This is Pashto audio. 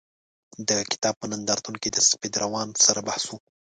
د کتاب په نندارتون کې د سفید روان سره بحث و.